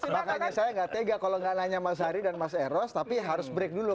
makanya saya nggak tega kalau nggak nanya mas ari dan mas eros tapi harus break dulu